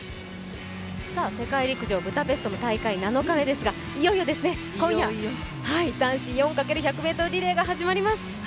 世界陸上ブダペストの大会も７日目ですが今夜男子４×１００ｍリレーが始まります。